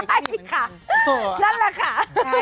ใช่ค่ะนั่นแหละค่ะ